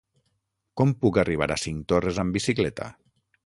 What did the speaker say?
Com puc arribar a Cinctorres amb bicicleta?